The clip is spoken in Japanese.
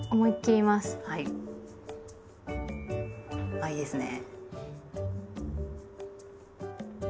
あいいですねぇ。